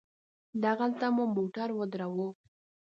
دغلته مو موټر ودراوه.